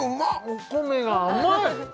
お米が甘い！